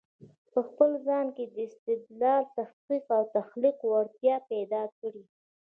په خپل ځان کې د استدلال، تحقیق او تخليق وړتیا پیدا کړی